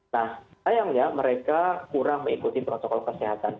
nah sayangnya mereka kurang mengikuti protokol kesehatan